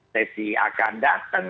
sesi akan datang